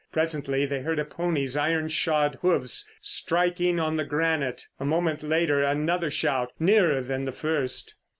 Presently they heard a pony's iron shod hoofs striking on the granite. A moment later another shout, nearer than the first.